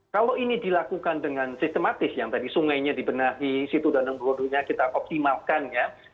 kalau ini dilakukan dengan sistematis yang tadi sungainya dibenahi situ daneng bodohnya kita optimalkan ya